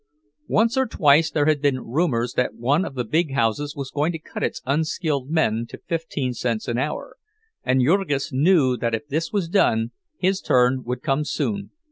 Once or twice there had been rumors that one of the big houses was going to cut its unskilled men to fifteen cents an hour, and Jurgis knew that if this was done, his turn would come soon.